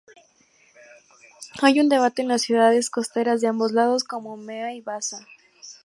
Hay un debate en las ciudades costeras de ambos lados, como Umeå y Vaasa.